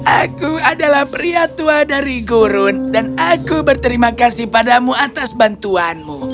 aku adalah pria tua dari gurun dan aku berterima kasih padamu atas bantuanmu